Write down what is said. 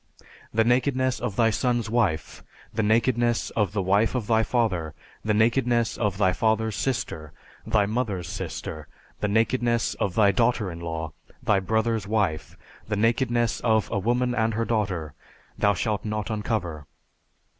The nakedness of thy son's wife the nakedness of the wife of thy father the nakedness of thy father's sister, thy mother's sister, the nakedness of thy daughter in law, thy brother's wife, the nakedness of a woman and her daughter, thou shalt not uncover.